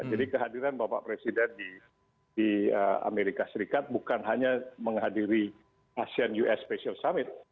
jadi kehadiran bapak presiden di amerika serikat bukan hanya menghadiri asean us special summit